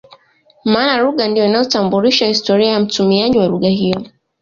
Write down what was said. Maana lugha ndio inayotambulisha historia ya mtumiaji wa lugha hiyo